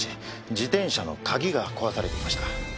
自転車の鍵が壊されていました。